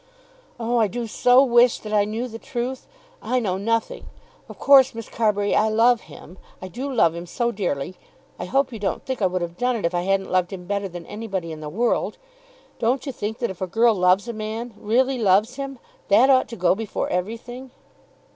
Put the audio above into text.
"Oh, I do so wish that I knew the truth. I know nothing. Of course, Miss Carbury, I love him. I do love him so dearly! I hope you don't think I would have done it if I hadn't loved him better than anybody in the world. Don't you think that if a girl loves a man, really loves him, that ought to go before everything?"